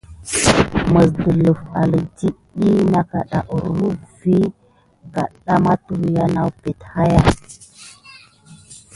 Məs dələf alək dit ɗiy na aka grum vi kaɗɗa matuhya nawbel haya.